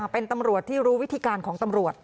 เป็นตำรวจที่รู้วิธีการของตำรวจ